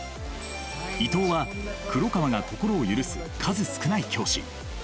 伊藤は黒川が心を許す数少ない教師。